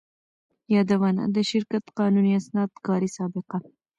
يادونه: د شرکت قانوني اسناد، کاري سابقه،